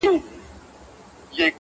• ځان به هېر کې ما به نه سې هېرولای -